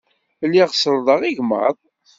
Lliɣ sellḍeɣ igmaḍ.